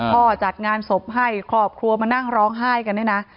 จัดงานศพให้ครอบครัวมานั่งร้องไห้กันเนี่ยนะ